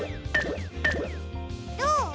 どう？